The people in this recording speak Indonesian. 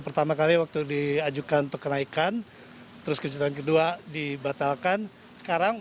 pertama kali waktu diajukan kekenaikan terus kejutan kedua dibatalkan